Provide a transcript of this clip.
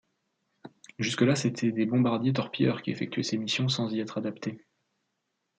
Jusque-là, c'étaient des bombardiers torpilleurs qui effectuaient ces missions sans y être adaptés.